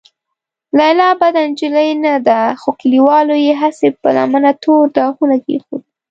لیلا بده نجلۍ نه ده، خو کليوالو یې هسې په لمنه تور داغونه کېښودل.